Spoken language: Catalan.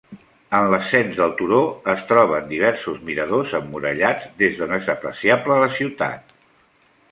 En l'ascens del turó es troben diversos miradors emmurallats des d'on és apreciable la ciutat.